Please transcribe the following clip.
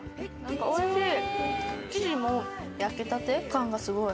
おいしい！